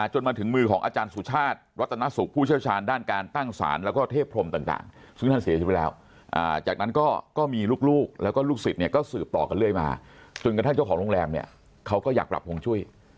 หลังจากนั้นก็มีลูกแล้วก็ลูกศิษย์เนี่ยก็สืบต่อกันเรื่อยมาจนกระทั่งเจ้าของโรงแรมเนี่ยเขาก็อยากปรับภงช่วย